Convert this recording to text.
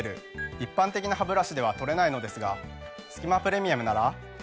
一般的なハブラシでは取れないのですが「すき間プレミアム」なら。